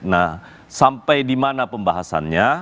nah sampai di mana pembahasannya